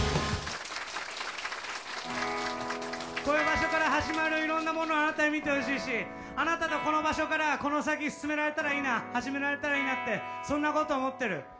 こういう場所から始まるいろんなものをあなたに見てほしいしあなたとこの場所からこの先進められたらいいな始められたらいいなってそんなこと思ってる。